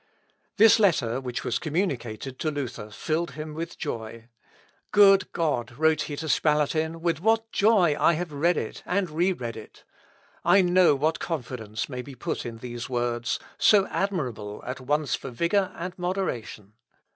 This letter, which was communicated to Luther, filled him with joy. "Good God!" wrote he to Spalatin, "with what joy I have read it and re read it. I know what confidence may be put in these words, so admirable at once for vigour and moderation.